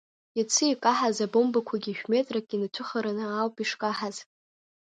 Иацы икаҳаз абомбақәагьы шәметрак инацәыхараны ауп ишкаҳаз.